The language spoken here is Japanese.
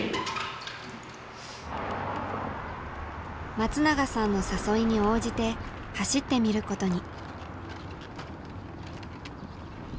松永さんの誘いに応じて走ってみることに。